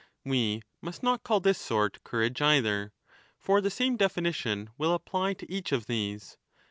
We 10 must not call this sort courage either. For the same definition will apply to each of these.